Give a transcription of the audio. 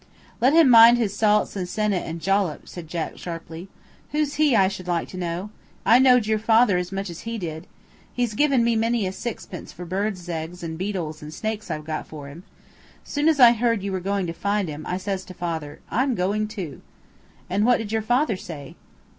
"Let him mind his salts and senna and jollop," said Jack sharply. "Who's he, I should like to know? I knowed your father as much as he did. He's given me many a sixpence for birds' eggs and beetles and snakes I've got for him. Soon as I heard you were going to find him, I says to father, `I'm going too.'" "And what did your father say?"